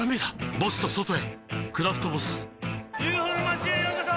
ボスと外へ「クラフトボス」ＵＦＯの町へようこそ！